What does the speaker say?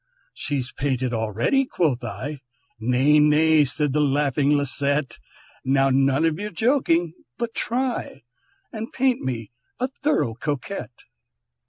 "She's painted already," quoth I; "Nay, nay!" said the laughing Lisette, "Now none of your joking, but try And paint me a thorough Coquette."